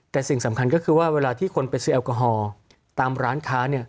แต่สิ่งสำคัญก็คือว่าเวลาที่คนไปซื้อแอลกอฮอล์ตามร้านค้า